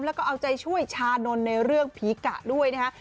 แล้วก็เอาใจช่วยชานนท์ในเรื่องผีกะด้วยนะฮะ